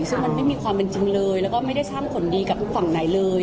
ซึ่งมันไม่มีความเป็นจริงเลยแล้วก็ไม่ได้สร้างผลดีกับทุกฝั่งไหนเลย